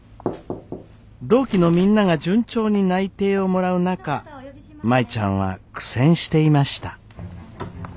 同期のみんなが順調に内定をもらう中舞ちゃんは苦戦していました。